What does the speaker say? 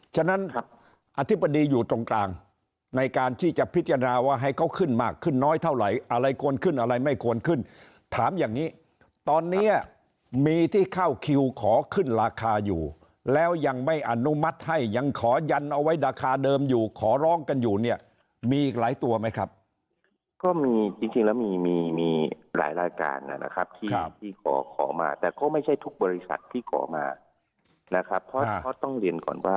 ฉะนั้นอธิบดีอยู่ตรงกลางในการที่จะพิจารณาว่าให้เขาขึ้นมากขึ้นน้อยเท่าไหร่อะไรควรขึ้นอะไรไม่ควรขึ้นถามอย่างนี้ตอนนี้มีที่เข้าคิวขอขึ้นราคาอยู่แล้วยังไม่อนุมัติให้ยังขอยันเอาไว้ราคาเดิมอยู่ขอร้องกันอยู่เนี่ยมีอีกหลายตัวไหมครับก็มีจริงแล้วมีมีหลายรายการนะครับที่ขอขอมาแต่ก็ไม่ใช่ทุกบริษัทที่ขอมานะครับเพราะต้องเรียนก่อนว่า